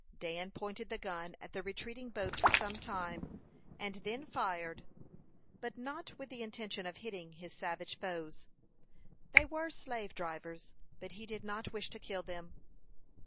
Dan pointed the gun at the retreating boat for some time, and then fired, but not with the intention of hitting his savage foes. They were slave drivers, but he did not wish to kill them.